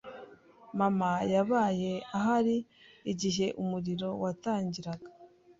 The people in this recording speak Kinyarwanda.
Mama yabaye ahari igihe umuriro watangiraga.